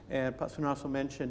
dan pak sunar so mengatakannya